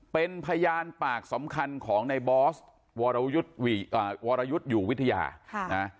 เป็นพยานปากสำคัญของในบอสวรยุทธ์วรยุทธ์อยู่วิทยานะ